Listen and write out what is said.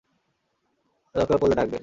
দরকার পড়লে ডাকবেন।